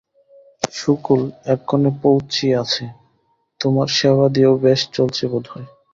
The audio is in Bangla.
সুকুল এক্ষণে পৌঁছিয়াছে, তোমার সেবাদিও বেশ চলছে বোধ হয়।